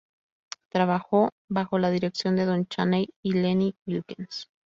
Trabajó bajo la dirección de Don Chaney y Lenny Wilkens.